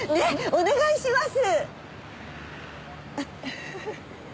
お願いします！